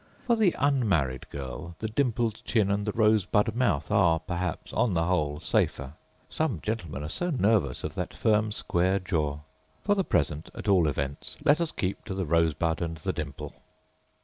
For the unmarried girl the dimpled chin and the rosebud mouth are, perhaps, on the whole safer. Some gentlemen are so nervous of that firm, square jaw. For the present, at all events, let us keep to the rosebud and the dimple.